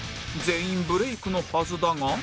全員ブレークのはずだが